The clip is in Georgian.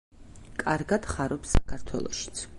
კარგად ხარობს საქართველოშიც.